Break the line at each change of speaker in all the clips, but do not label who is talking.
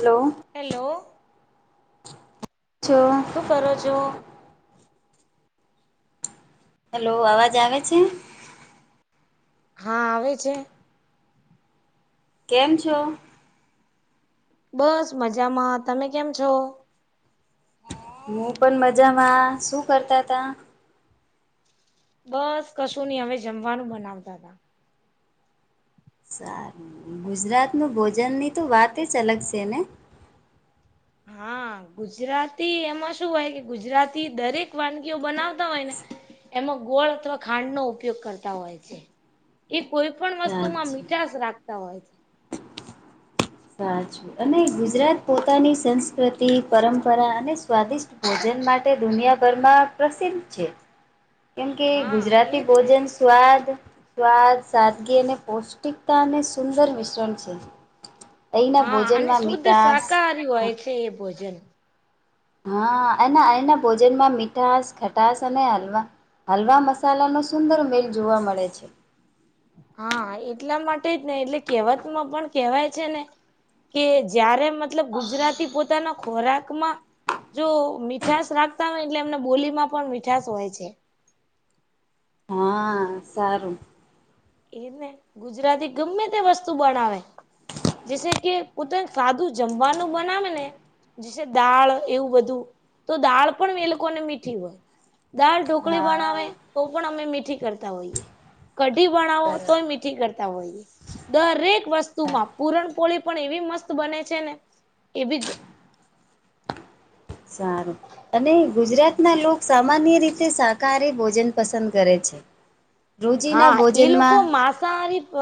Hello
hello
કેમ છો.
શું કરો છો?
હેલો અવાજ આવે છે?
હા આવે છે.
કેમ છો?
બસ મજામાં! તમે કેમ છો?
હું પણ મજામાં! શું કરતા તા?
બસ કશું ની અમે જમવાનું બનાવતા તા
સારું ગુજરાતનું ભોજનની તો વાત જ અલગ છે ને [inaudible]
હા ગુજરાતી એમાં શું હોય કે ગુજરાતી દરેક વાનગીઓ બનાવતા હોય ને એમાં ગોળ અથવા ખાંડનો ઉપયોગ કરતા હોય છે. એ કોઈ પણ વસ્તુમાં
સાચી
મીઠાશ રાખતા હોય છે.
સાચું અને ગુજરાત પોતાની સંસ્કૃતિ પરંપરા અને સ્વાદિષ્ટ ભોજન માટે દુનિયાભરમાં પ્રસિદ્ધ છે. કેમ કે
હા
ગુજરાતી
એજ ને.
ભોજન સ્વાદ, સ્વાદ સાદગી અને પૌષ્ટિકતા અને સુંદર મિશ્રણ છે. અહીંના
હા અને
ભોજનમાં
શુદ્ધ
મીઠાશ
શાકાહારી હોય છે એ ભોજન
હા અને એના ભોજનમાં મીઠાશ ખટાસ અને હલવા હલવા મસાલાનો સુંદર મેલ જોવા મળે છે.
હા એટલા માટે જ ને એટલે કહેવતમાં પણ કેવાય છે ને કે જયારે મતલબ ગુજરાતી પોતાના ખોરાકમાં જો મીઠાસ રાખતા હોય એટલે એમને બોલીમાં પણ મીઠાસ હોય છે.
હા સારું.
એ ને ગુજરાતી ગમે તે વસ્તુ બનાવે જેસે કે પોતે સાદું જમવાનું બનાવે ને પસી દાળ એવું બધું તો દાળ પણ એ લોકોને મીઠી હોય દાળ ઢોકળી બનાવે
હા
તો પણ અમે મીઠી કરતા હોઈએ. કઢી બનાવો તોય
બરાબર
મીઠી કરત તા વોઈએ દરેક વસ્તુમાં
સારું
પૂરણપોળી પણ એવી મસ્ત બને છે ને એવી
સારું અને ગુજરાતનાં લોક સામાન્ય રીતે શાકાહારી ભોજન પસંદ કરે છે. રોજીના
હા એ લોકો
ભોજનમાં
માંસાહારી પ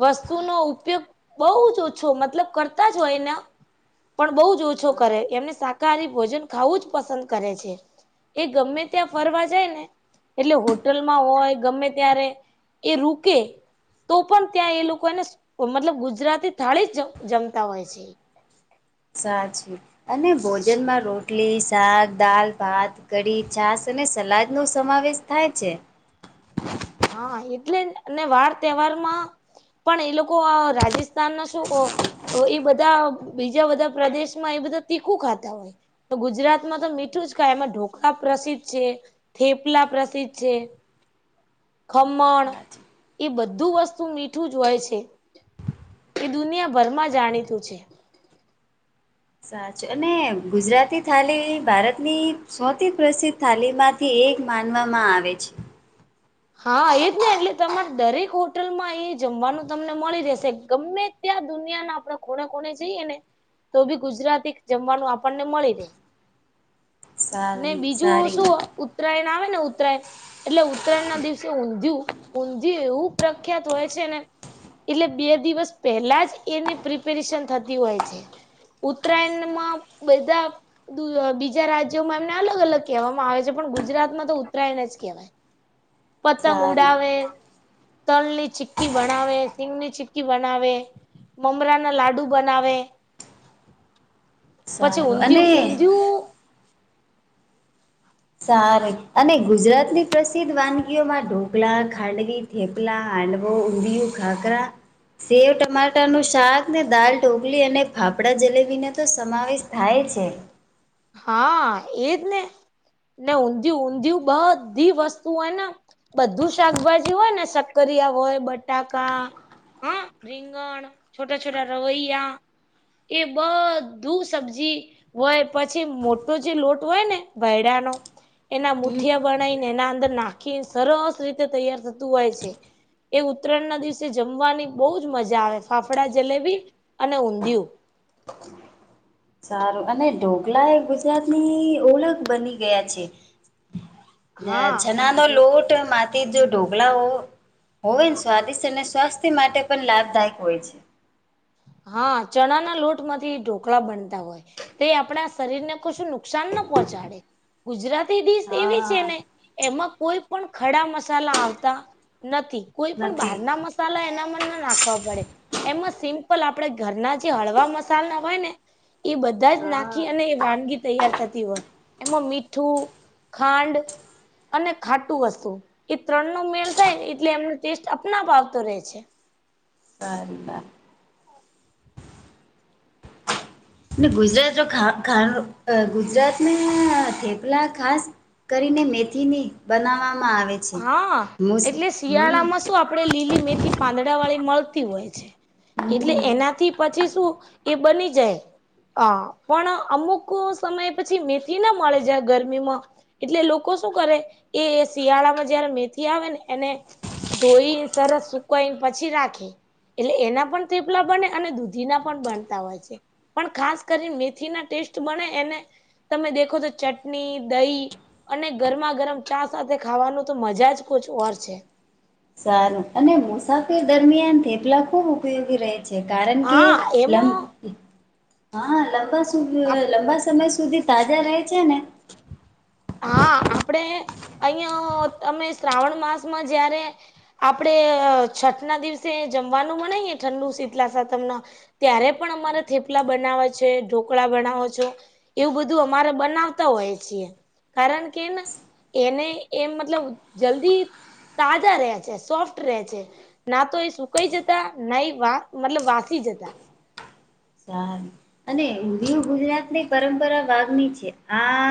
વસ્તુનો ઉપયોગ બહુ જ ઓછો મતલબ કરતા જ હોયને પણ બઉુ જ ઓછો કરે એમને શાકાહારી ભોજન ખાવું જ પસંદ કરે છે. એ ગમે ત્યાં ફરવા જાય ને એટલે હોટલમાં હોય ગમે ત્યારે એ રૂકે તો પણ ત્યાં એ લોકો ને મતલબ ગુજરાતી થાળી જ જમ જમતા હોય છે.
સાચી અને ભોજનમાં રોટલી શાક દાલ ભાત કઢી છાસ અને સલાદનો સમાવેશ થાય છે.
હા એટલે અને વાર તહેવારમાં પણ એ લોકો રાજસ્થાન ના શું હોય એ બધા બીજા બધા પ્રદેશ માં એ બધા તીખું ખાતા હોય. તો ગુજરાતમાં તો મીઠું જ કાય એમાં ઢોકા પ્રસિદ્ધ છે થેપલા પ્રસિદ્ધ છે. ખમણ
સાચું
એ બધું વસ્તુ મીઠું જ હોય છે. એ દુનિયાભરમાં જાણીતું છે.
સાચું અને ગુજરાતી થાલી ભારતની સૌથી પ્રસિદ્ધ થાલીમાંથી એક માનવામાં આવે છે.
હા એ જ ને એટલે તમારે દરેક હોટલમાં એ જમવાનું તમને મળી રહેશે. ત્યાં દુનિયા ના આપણે કોને કોને જઈએ ને તો ભી ગુજરાતી જમવાનું આપણને મળી જાય. ને
સારી
બીજું
સારી
શું
વાત
ઉત્તરાયણ આવે ને ઉત્તરાયણ એટલે ઉતરાયણના ના દિવસે ઊંધિયું ઊંધિયું એવુ પ્રખ્યાત હોય છે. એટલે બે દિવસ પહેલા જ એની પ્રિપેરેશન થતી હોય છે. ઉત્તરાયણમાં બધા [unintelligible] બીજા રાજ્યોમાં એમને અલગ અલગ કહેવામાં આવે છે પણ ગુજરાતમાં તો ઉત્તરાયણ જ કહેવાય. પતંગ
સારી
ઉડાવે તલની ચીકી બનાવે સિંગની ચીકી બનાવે. મમરા ના લાડુ બનાવે, પછી
સારું અને
ઊંધિયું ઊંધિયું
સારુ અને ગુજરાત ની પ્રસિદ્ધ વાનગીઓમાં ઢોકળા, ખાંડવિ, થેપલા, હાંડવો, ઉંધિયું, ખાખરા, સેવ ટમાટાનું શાક ને દાલ ઢોકલી અને ફાફડા જલેબી ને તો સમાવેશ થાય છે.
હા, એજ ને ને ઊંધિયું ઊંધિયું બધી વસ્તુ હોયને, બધું શાકભાજી હોય ને શક્કરિયા હોય બટાકા હા, રીંગણ છોટા છોટા રવૈયા એ બધું સબ્જી હોય. પછી મોટો જે લોટ હોય, ને ભયડા નો એના મુઠિયા બનાવીને એના અંદર નાખીને સરસ રીતે તૈયાર થતું હોય છે. એ ઉત્તરાયણના દિવસે જમવાની બહુ જ મજા આવે ફાફડા જલેબી અને ઊંધિયું.
સારું અને ઢોકલા એ ગુજરાતની ઓળખ બની ગયા છે, અ
હા
ચણાનો
તો
લોટ માથી જો ઢોકલાઓ હોવે ન સ્વાદિષ્ટ અને સ્વાસ્થ્ય માટે પણ લાભદાયક હોય છે,
હા, ચણા ના લોટ માંથી ઢોકળા બનતા હોય, તે આપણા શરીર ને કશું નુકસાન ના પહોંચાડે ગુજરાતી ડીશ એવી છે,
હા
ને એમાં કોઈ પણ ખડા મસાલા આવતા નથી, કોઈ પણ બહાર
નથી
ના મસ સાલા એનામાં ના નાખવા પડે [unintelligible] પણ આપણેે ઘરના જે હળવા મસાલના હોય, ને એ બધા જ નાખી
હા
અને એ વાનગી તૈયાર થતી હોય, એમાં મીઠું ખાંડ અને ખાટું વસ્તુ એ ત્રણનો મેળ થાય ને એટલે એમનો ટેસ્ટ અપનાવ આવતો રહે છે,
[inaudible] ગુજરાતનું ખાવાનું ગુજરાતમાં થેપલા ખાસ કરીને મેથીની બનાવવામાં આવે છે,
હા,
મુસ
એટલે
હમ
શિયાળામાં શું આપણે લીલી મેથી પાંદડા વાળી મળતી હોય છે, એટલે એનાથી પછી શું એ બની જાય. હ પણ અમુક સમય પછી મેથી ના મળે જાય ગરમીમાં એટલે લોકો શું કરે એ શિયાળામાં જયારે મેથી આવે ને એને ધોઈને સરસ સુકાઈને પછી રાખી એટલે એના પણ થેપલા બને અને દૂધી ના પણ બનતા હોય છે, પણ ખાસ કરીને મેથી ના ટેસ્ટ બને એને તમે દેખો તો ચટની, દહી અને ગરમા ગરમ ચા સાથે ખાવાનું, તો મજા જ કુછ ઓર છે,
સારું અને મુસાફરી દરમિયાન થેપલા ખુબ ઉપયોગી રહે છે, કારણ કે
હા
લં
એમાં
હા, લંબા શું લંબા સમય સુધી તાજા રહે છે, ને
હા, આપડે અહિયા તમે શ્રાવણ માસમાં જયારે આપડે અ છઠ ના દિવસે જમવાનું બનાઇ એ ઠંડુ શીતલા સાતમ ના ત્યારે પણ અમારે થેપલા બનાવે છે, ઢોકળા બનાવો છો એવું બધું અમારે બનાવતા હોય છીએ, કારણ કે એને એને એ મતલબ જલ્દી તાજા રે છે સોફ્ટ રે છે, ના તો એ સુકાઈ જતા ના એ વા મતલબ વાસી જતા
સારું અને [unintelligible] ગુજરાતની પરંપરા વાઘ ની છે, આ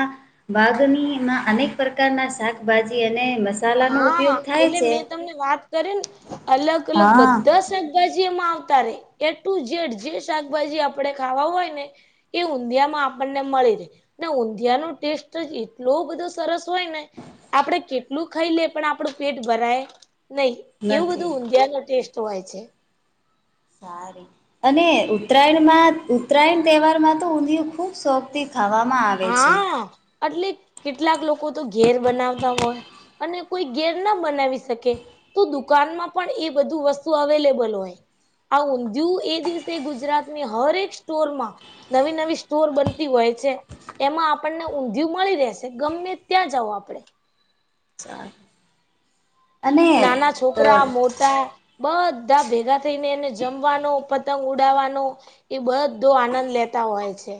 વાઘનીમાં અનેક પ્રકારના શાકભાજી અને મસા
હા, એટલે મેં તમને વાત કરી ને અલગ અલગ
હા.
બધા છે. જી એમાં આવતા રે એ ટુ જેડ જે શાકભાજી આપણે ખાવા હોય ને. એ ઊંધિયા માં આપણને મળી રે. ને ઊંધીયા નો ટેસ્ટ જ એટલો બધો સરસ હોય ને આપડે કે લુ ખઈ લે પણ આપણું પેટ ભરાય? નહી, એવું બધું
નથી
ઊંધિયા નો ટેસ્ટ હોય છે.
સારી અને ઉત્તરાયણમાં ઉત્તરાયણ તહેવારમાં તો ઊંધિયું ખૂબ શોખ તિ ખાવામાં આવે છે.
અટલે કેટલાક લોકો તો ઘેર બનાવતા હોય. અને કોઈ ઘેર ના બનાવી શકે તો દુકાનમાં પણ એ બધું વસ્તુ અવેલેબલ હોય. આ ઊંધીયુ એ દિવસે ગુજરાતની હર એક સ્ટોર માં નવી-નવી સ્ટોર બનતી હોય છે. એમાં આપણને ઊંધિયું મળી રેશે ગમે ત્યાં જાઓ આપડે.
સા
નાના
અ
છોકરા મો ટા બધા ભેગા થઈને હે ને જમવાનો, પતંગ ઉડાવવાનુ ઈ બધો આનંદ લેતા હોય છે.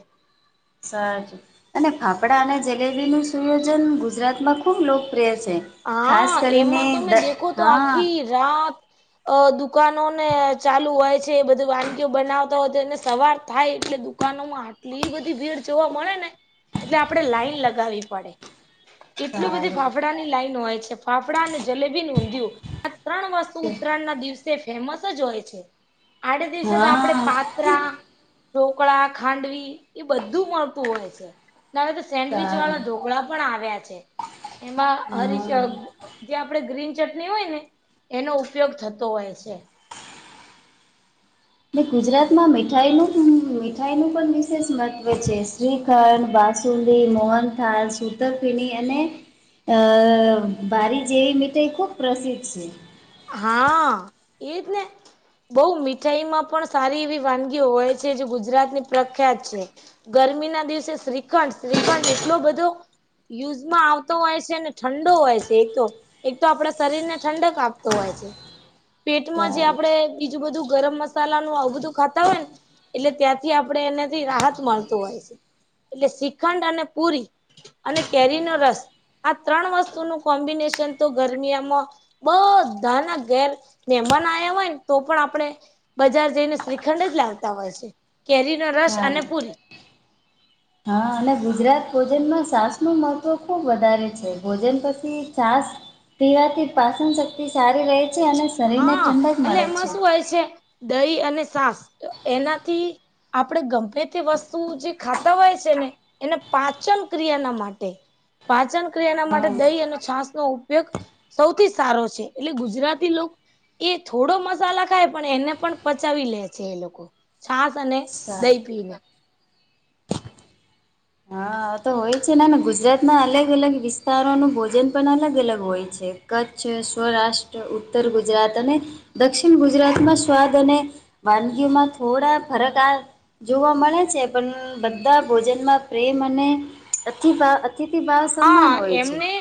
સર અને ફાફડા અને જલેબીનું સુયોજન ગુજરાતમાં ખૂબ લોકપ્રિય છે. ખાસ
હા
કરીને
એમાં
દ
તમે દેખો તો
હા
આખી રાત. અ દુકાનો ને ચાલુ હોય છે, બધી વાનગી બનાવતા હોય તો એને સવાર થાય એટલે દુકાનોમાં આટલી બધી ભીડ જોવા મળે ને એટલે આપણેે લાઈન લગાવી પડે. કેટલું બધી
સારું
ફાફડાની લાઈન હોય છે ફાફડા ને જલેબી ને ઊંધિયું... આ ત્રણ વસ્તુ ઉત્તરાયણ ના દિવસે ફેમસ જ હોય છે, આડે દિવસે તો આપણે
હા.
પા ત્રા, ઢોકળા, ખાંડવી એ બધું મળતું હોય છે. [unintelligible] સેન્ડવીચ વાળા
સારું
ઢોકળા પણ આવ્યા છે, એમાં હરી કે
હા
અ કે આપડે ગ્રીન ચટની હોય, ને એનો ઉપયોગ થતો હોય છે.
એટલે ગુજરાતમાં મીઠાઈનું મીઠાઈનું પણ વિશેષ મહત્વ છે. શ્રી ધન, બાસુંદી, મોહન થાલ, સુતરફેણી અને અ બારી જેવી મિઠાઈ ખુબ પ્રસિદ્ધ છે.
હા... એ જ ને. બઉ મીઠાઈ માં પણ સારી એવી વાનગીઓ હોય છે. જે ગુજરાત ની પ્રખ્યાત છે. ગરમી ના દિવસે શ્રીખંડ-શ્રીખંડ એટલો બધો યુઝમાં આવતો હોય છેને ઠંડો હોય છે એક તો, એક તો આપણા શરીરને ઠંડક આપ તો હોય છે. પેટમાં જે
સારું
આપણેે બીજું બધું ગરમ મસાલાનું આવ બધું ખાતા હોય ને. એટલે ત્યાંથી આપણે એનેથી રાહત મળતું હોય છે. એટલે શ્રીખંડ અને પુરી અને કેરીનો રસ. આ ત્રણ વસ્તુનું કોમ્બિનેશન તો ગરમિયામાં બ બધાના ઘેર મહેમાન આયા હોયને તો પણ આપડણે બજાર જઈને શ્રીખંડ જ લાવતા હોય છે, કેરીનો રસ અને
સારું
પુરી.
હા અને ગુજરાત ભોજનમાં સાસનું મહત્ત્વ ખુબ વધારે છે ભોજન પછી છાસ પીવાથી પાસનશક્તિ સારી રહે છે અને શરીરને
હા
ઠંડક
એટલે
મળે
એમાં
છે
શું હોય છે દહી અને સાસ તો એનાથી આપણેે ગમે તે વસ્તુ જે ખાતા હોય છે ને એને પાચનક્રિયા ના માટે પાચન ક્રિયાના
હા
માટે દહી અને છાસ નો ઉપયોગ સૌથી સારો છે એટલે ગુજરાતી એ થોડો મસાલા ખાય પણ એને પણ પચાવી લે છે એ લોકો છાસ અને
સારું
દહી પીને.
હા તો હોય છે ના ના ગુજરાતના અલગ અલગ વિસ્તારોનું ભોજન પણ અલગ અલગ હોય છે. કચ્છ, સૌરાષ્ટ્ર, ઉત્તર ગુજરાત અને દક્ષિણ ગુજરાતમાં સ્વાદ અને વાનગીઓમાં થોડા ફરક આ જોવા મળે છે, પણ બધા ભોજનમાં પ્રેમ અને અતિભા અતિ અતિથિ ભાવ સમાન
હા
હોય છે.
એમને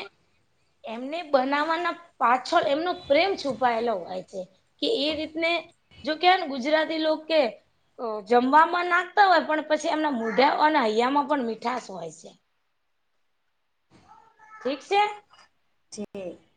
એમને બનાવવાના પાછળ એમનો પ્રેમ છુપાયેલો હોય છે. કે એ રીતને જો કેય ને ગુજરાતી લોક કે જમવામાં નાખતા હોય પણ પછી એમના મુઢા અને હૈયામાં પણ મીઠાસ હોય છે. ઠીક છે.
[unintelligible]